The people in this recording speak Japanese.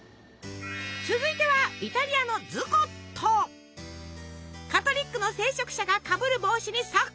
続いてはイタリアのカトリックの聖職者がかぶる帽子にそっくり！